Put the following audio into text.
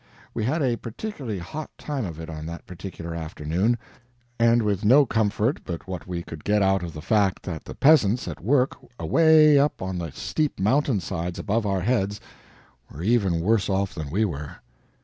We had a particularly hot time of it on that particular afternoon, and with no comfort but what we could get out of the fact that the peasants at work away up on the steep mountainsides above our heads were even worse off than we were.